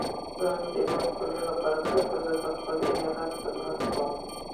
د همدې مفکورې له برکته زه د خپل ايالت خدمت کوم.